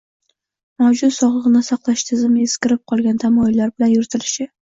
mavjud sog‘liqni saqlash tizimi eskirib qolgan tamoyillar bilan yuritilishi